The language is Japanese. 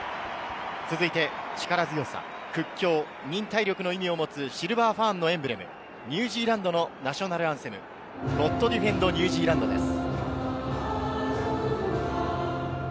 続いて、力強さ、屈強、忍耐力の意味を持つシルバー・ファーンのエンブレム、ニュージーランドのナショナルアンセム、『ＧｏｄＤｅｆｅｎｄＮｅｗＺｅａｌａｎｄ』です。